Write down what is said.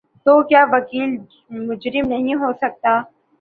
تو کیا وکیل مجرم نہیں ہو سکتا؟